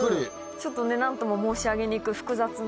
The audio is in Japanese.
ちょっとね何とも申し上げにくい複雑な。